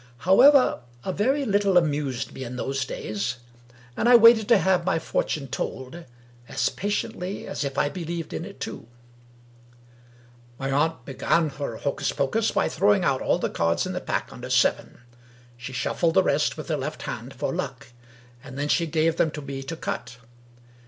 However, a very little amused me in those days ; and I waited to have my fortune told, as patiently as if I believed in it too ! My aunt began her hocus pocus by throwing out all the cards in the pack under seven. She shuffled the rest with her left hand for luck ; and then she gave them to me to cut.